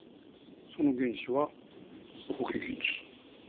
その原資は、保険金です。